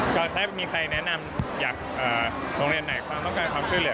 ก็ถ้ามีใครแนะนำอยากโรงเรียนไหนความต้องการความช่วยเหลือ